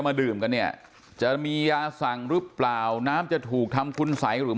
มาดื่มกันเนี่ยจะมียาสั่งหรือเปล่าน้ำจะถูกทำคุณสัยหรือไม่